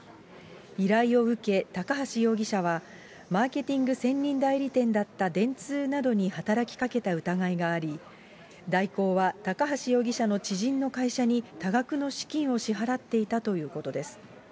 依頼を受け、高橋容疑者は、マーケティング専任代理店だった電通などに働きかけた疑いがあり、大広は高橋容疑者の知人の会社に多額の資金を支払っていたということです。